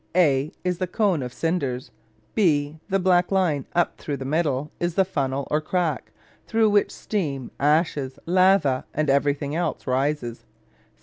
A is the cone of cinders. B, the black line up through the middle, is the funnel, or crack, through which steam, ashes, lava, and everything else rises.